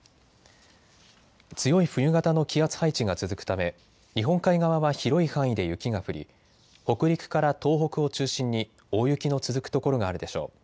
強い冬型の気圧配置が続くため日本海側は広い範囲で雪が降り北陸から東北を中心に大雪の続く所があるでしょう。